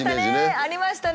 ありましたね